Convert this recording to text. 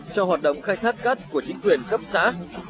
cho hoạt động khai thác cát của chính quyền cấp xã